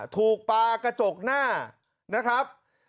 ถูกปลากระจกหน้านะครับ